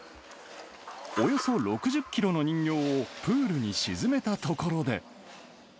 およそ６０キロの人形をプールに沈めたところで。